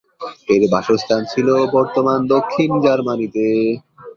এর বাসস্থান ছিল বর্তমান দক্ষিণ জার্মানিতে।